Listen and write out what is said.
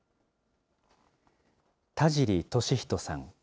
田尻敏仁さん。